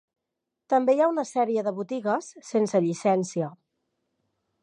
També hi ha una sèrie de botigues sense llicència.